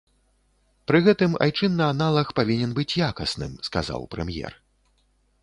Пры гэтым айчынны аналаг павінен быць якасным, сказаў прэм'ер.